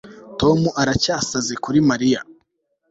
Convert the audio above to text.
Tom aracyasaze kuri Mariya